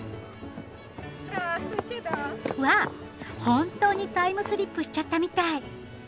本当にタイムスリップしちゃったみたい！